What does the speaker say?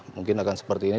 mungkin akan seperti ini